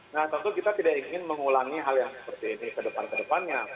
nah tentu kita tidak ingin mengulangi hal yang seperti ini ke depan ke depannya